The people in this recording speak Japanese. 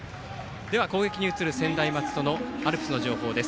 では、攻撃に移る専大松戸のアルプスの情報です。